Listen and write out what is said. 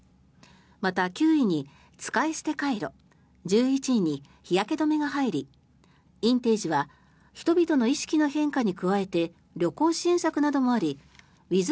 また、９位に使い捨てカイロ１１位に日焼け止めが入りインテージは人々の意識の変化に加えて旅行支援策などもありウィズ